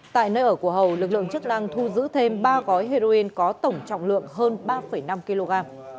tại nơi ở của hầu lực lượng chức năng thu giữ thêm ba gói heroin có tổng trọng lượng hơn ba năm kg